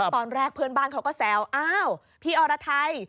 ตอนแรกเพื่อนบ้านเขาก็แซวอ้าวพี่อรไทย